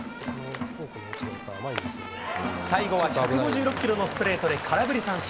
最後は１５６キロのストレートで空振り三振。